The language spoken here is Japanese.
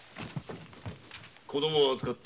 「子供は預かった。